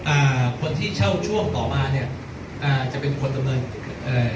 อ่าคนที่เช่าช่วงต่อมาเนี้ยอ่าจะเป็นคนดำเนินเอ่อ